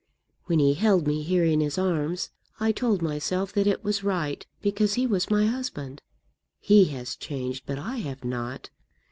"When he held me here in his arms, I told myself that it was right, because he was my husband. He has changed, but I have not.